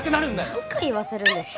何回言わせるんですか